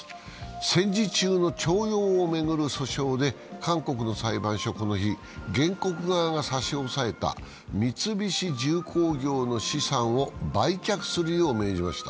戦時中の徴用をめぐる訴訟で韓国の裁判所はこの日、原告側が差し押さえた三菱重工業の資産を売却するよう命じました。